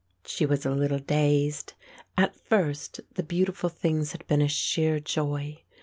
She was a little dazed. At first the beautiful things had been a sheer joy.